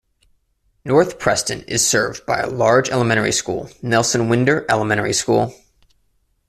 North Preston is served by a large elementary school, Nelson Whynder Elementary School.